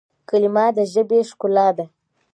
کلیمه د ژبي ښکلا ده.